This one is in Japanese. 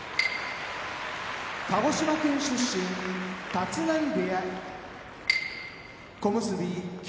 鹿児島県出身立浪部屋小結・霧